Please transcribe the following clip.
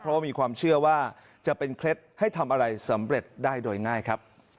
เพราะว่ามีความเชื่อว่าจะเป็นเคล็ดให้ทำอะไรสำเร็จได้โดยง่ายครับ